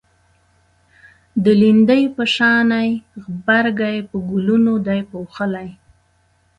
د لیندۍ په شانی غبرگی په گلونو دی پوښلی